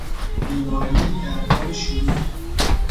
بیماری در حال شروع